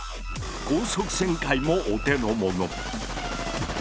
高速旋回もお手の物。